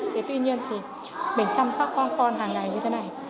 thế tuy nhiên thì mình chăm sóc con con hàng ngày như thế này